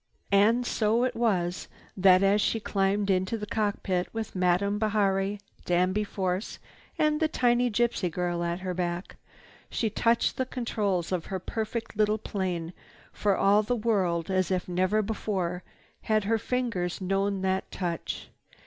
And so it was that, as she climbed into the cockpit, with Madame Bihari, Danby Force, and the tiny gypsy girl at her back, she touched the controls of her perfect little plane for all the world as if never before had her fingers known that touch.